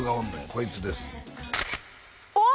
こいつですおわ！